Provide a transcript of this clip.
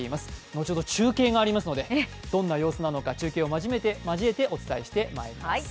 後ほど、中継がありますので、どんな様子なのか中継を交えてお伝えしてまいります。